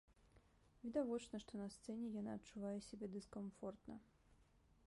Відавочна, што на сцэне яна адчувае сябе дыскамфортна.